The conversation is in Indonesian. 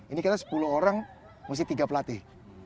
ini kita sepuluh orang mesti tiga pelatih